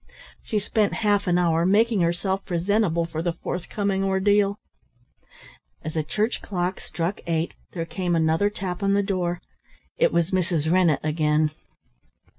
She spent half an hour making herself presentable for the forthcoming ordeal. As a church clock struck eight, there came another tap on the door. It was Mrs. Rennett again.